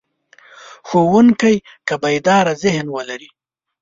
ښوونکی که بیداره ذهن ولري.